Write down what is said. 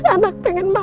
anak pengin makan